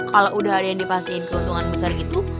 kalau udah ada yang dipastiin keuntungan besar gitu